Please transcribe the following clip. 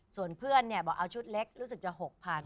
ส่วนเพื่อนบอกเอาชุดเล็กรู้สึกจะ๖๐๐๐